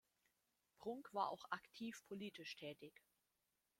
Prunk war auch aktiv politisch tätig.